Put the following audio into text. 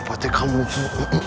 apa teh kamu